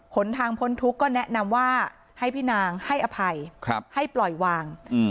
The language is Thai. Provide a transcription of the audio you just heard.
หนทางพ้นทุกข์ก็แนะนำว่าให้พี่นางให้อภัยให้ปล่อยวาง